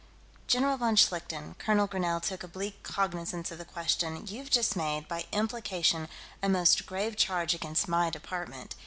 "General von Schlichten," Colonel Grinell took oblique cognizance of the question, "you've just made, by implication, a most grave charge against my department.